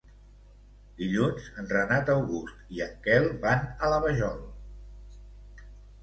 Dilluns en Renat August i en Quel van a la Vajol.